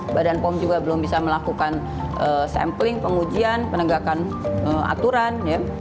badan pom juga belum bisa melakukan sampling pengujian penegakan aturan ya